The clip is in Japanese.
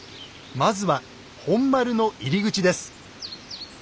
まずは本丸の入り口です。